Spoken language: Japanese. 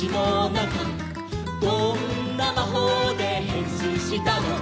「どんなまほうでへんしんしたの？」